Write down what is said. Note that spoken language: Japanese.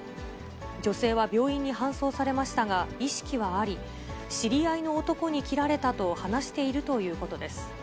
女性は病院に搬送されましたが、意識はあり、知り合いの男に切られたと話しているということです。